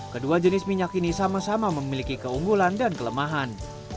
kedua jenis minyak ini sama sama memiliki keunggulan dan kelemahan